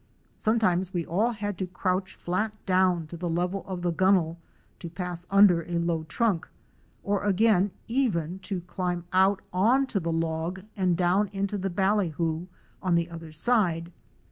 Sometimes we all had to crouch flat down to the level of the gunwale to pass under a low trunk, or again even to climb out on to the log and down into the ballyhoo on the other side.